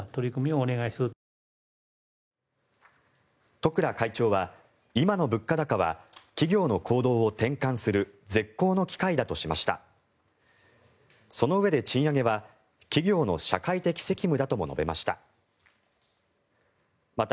十倉会長は今の物価高は企業の行動を転換する絶好の機会だとしました。